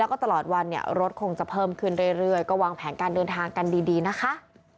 ก็วางแผนการเดินทางกันดีนะคะ